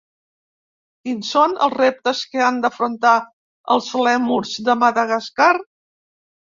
Quins són els reptes que han d'afrontar els lèmurs de Madagascar?